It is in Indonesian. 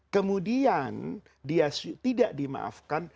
kemudian dia tidak dimaafkan